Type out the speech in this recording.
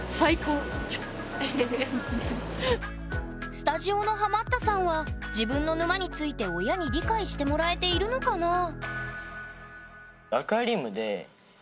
スタジオのハマったさんは自分の沼について親に理解してもらえているのかな？おお！